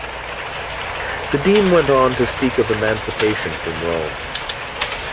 The Dean went on to speak of emancipation from Rome.